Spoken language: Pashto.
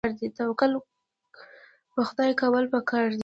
توکل په خدای کول پکار دي